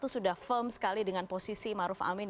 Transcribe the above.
sudah firm sekali dengan posisi maruf amin